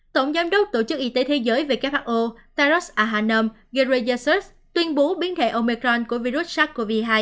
tổng giám đốc tổ chức y tế thế giới who teros ahanom gerayeser tuyên bố biến thể omicron của virus sars cov hai